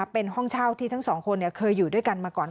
เป็นห้องเช่าที่ทั้งสองคนเคยอยู่ด้วยกันมาก่อน